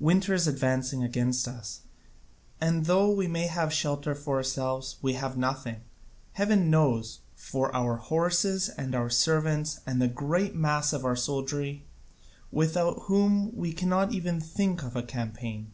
Winter is advancing against us, and though we may have shelter for ourselves we have nothing, heaven knows, for our horses and our servants and the great mass of our soldiery, without whom we cannot even think of a campaign.